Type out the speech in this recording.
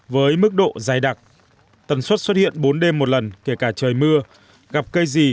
với mức độ dài đặc tần suất xuất hiện bốn đêm một lần kể cả trời mưa gặp cây gì